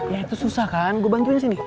ya itu susah kan gue bantuin sini